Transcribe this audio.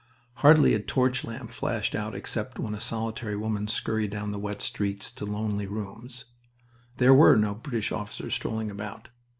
Hardly a torch lamp flashed out except where a solitary woman scurried down the wet streets to lonely rooms. There were no British officers strolling about.